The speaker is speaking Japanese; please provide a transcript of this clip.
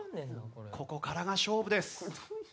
ここからが勝負です。